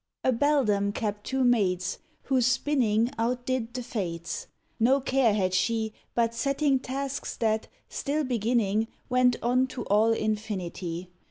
A Beldam kept two maids, whose spinning Outdid the Fates. No care had she But setting tasks that, still beginning, Went on to all infinity.